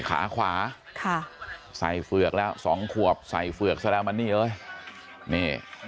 ขาขวาใส่เผือกแล้ว๒ขวบใส่เผือกซะแล้วมันนี่เลย